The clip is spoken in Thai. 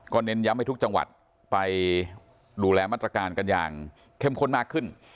เน้นย้ำให้ทุกจังหวัดไปดูแลมาตรการกันอย่างเข้มข้นมากขึ้น